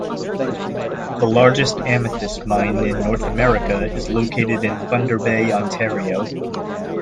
The largest amethyst mine in North America is located in Thunder Bay, Ontario.